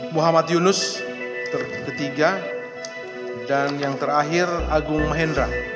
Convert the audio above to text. muhammad yunus ketiga dan yang terakhir agung mahendra